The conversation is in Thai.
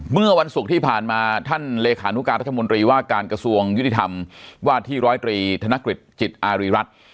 เมื่อวันศุกร์ที่ผ่านมาท่านเลขานุการรัฐมนตรีว่าการกระทรวงยุติธรรมว่าที่ร้อยตรีธนกฤษจิตอารีรัฐ